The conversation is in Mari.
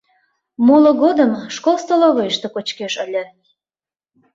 Моло годым школ столовыйышто кочкеш ыле.